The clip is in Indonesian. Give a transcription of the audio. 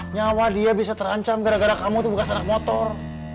nyawa dia bisa terancam gara gara kamu itu bekas anak motor